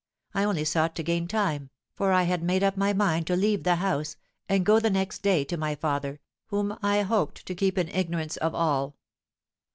I only sought to gain time, for I had made up my mind to leave the house, and go the next day to my father, whom I hoped to keep in ignorance of all.